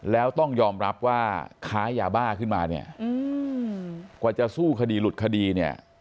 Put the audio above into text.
แล้วต้องยอมรับว่าค้ายาบ้าขึ้นมาเนี่ยกว่าจะสู้คดีหลุดคดีเนี่ย